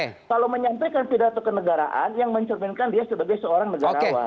kalau menyampaikan pidato ke negaraan yang mencerminkan dia sebagai seorang negara